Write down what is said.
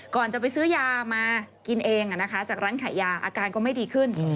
ก่อนจะไปซื้อยามากินเองจากร้านขายยาอาการก็ไม่ดีขึ้น